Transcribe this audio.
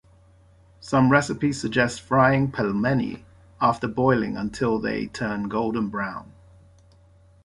Some recipes suggest frying pelmeni after boiling until they turn golden brown.